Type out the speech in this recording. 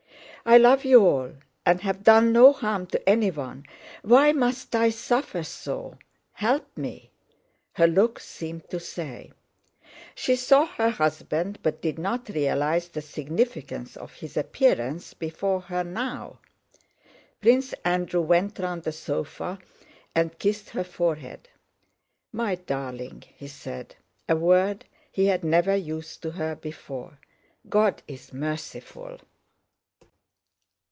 "I love you all and have done no harm to anyone; why must I suffer so? Help me!" her look seemed to say. She saw her husband, but did not realize the significance of his appearance before her now. Prince Andrew went round the sofa and kissed her forehead. "My darling!" he said—a word he had never used to her before. "God is merciful...."